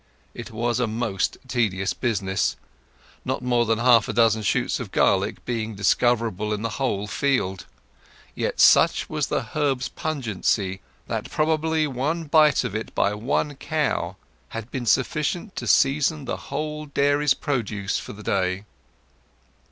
It was a most tedious business, not more than half a dozen shoots of garlic being discoverable in the whole field; yet such was the herb's pungency that probably one bite of it by one cow had been sufficient to season the whole dairy's produce for the day.